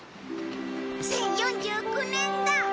１０４９年だ。